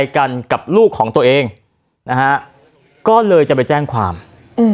กันกับลูกของตัวเองนะฮะก็เลยจะไปแจ้งความอืม